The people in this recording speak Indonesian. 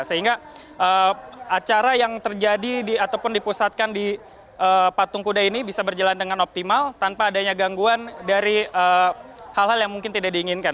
sehingga acara yang terjadi ataupun dipusatkan di patung kuda ini bisa berjalan dengan optimal tanpa adanya gangguan dari hal hal yang mungkin tidak diinginkan